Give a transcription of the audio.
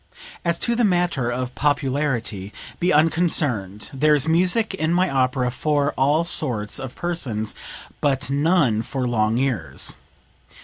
"As to the matter of popularity, be unconcerned; there is music in my opera for all sorts of persons but none for long ears."